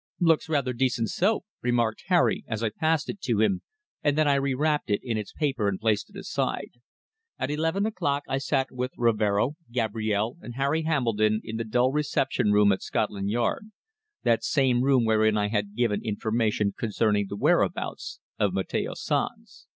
"Looks rather decent soap!" remarked Harry as I passed it to him, and then I re wrapped it in its paper and placed it aside. At eleven o'clock I sat with Rivero, Gabrielle and Harry Hambledon in the dull reception room at Scotland Yard, that same room wherein I had given information concerning the whereabouts of Mateo Sanz.